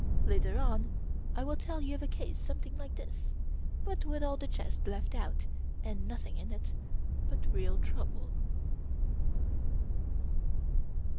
Later on, I will tell you of a case something like this, but with all the jest left out and nothing in it but real trouble.